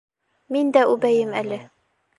Мин дә үбәйем әле!